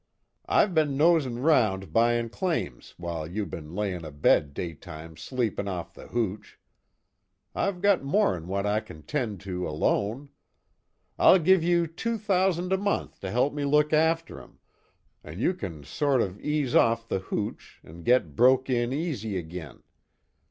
I've be'n nosin' 'round buyin' claims while you be'n layin' abed daytimes sleepin' off the hooch. I've got more'n what I kin 'tend to alone. I'll give you two thousand a month to help me look after 'em, an' you can sort of ease off the hooch, an' get broke in easy agin.